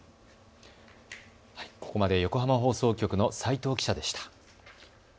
ここまで横浜放送局の齋藤記者でした。